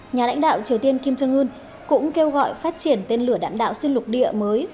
nhà lãnh đạo triều tiên kim jong un cũng kêu gọi phát triển tên lửa đạn đạo xuyên lục địa mới